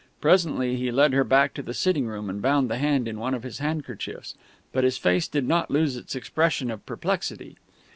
Presently he led her back to the sitting room and bound the hand in one of his handkerchiefs; but his face did not lose its expression of perplexity.